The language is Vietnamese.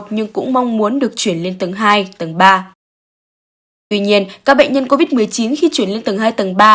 nhưng cũng mong muốn được chuyển lên tầng hai tầng ba tuy nhiên các bệnh nhân covid một mươi chín khi chuyển lên tầng hai tầng ba